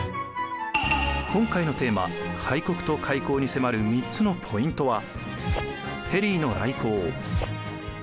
今回のテーマ「開国と開港」に迫る３つのポイントは。